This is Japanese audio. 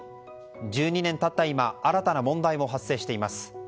１２年経った今新たな問題も発生しています。